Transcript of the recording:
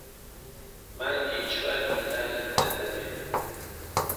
مانگی چوار دینارت دەدەمێ.